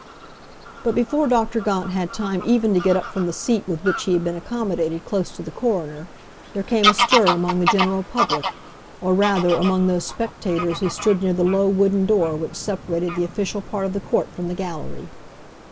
But before Dr. Gaunt had time even to get up from the seat with which he had been accommodated close to the coroner, there came a stir among the general public, or, rather, among those spectators who stood near the low wooden door which separated the official part of the court from the gallery.